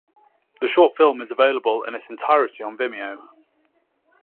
The short film is available in its entirety on Vimeo.